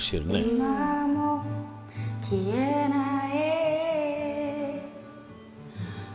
今も消えない